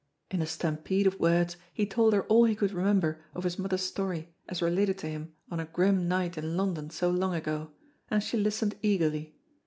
In a stampede of words he told her all he could remember of his mother's story as related to him on a grim night in London so long ago, and she listened eagerly.